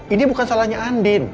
ini bukan salahnya andin